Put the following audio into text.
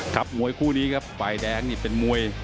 มวยคู่นี้ครับฝ่ายแดงนี่เป็นมวย